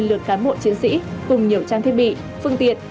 một lượt cán bộ chiến sĩ cùng nhiều trang thiết bị phương tiện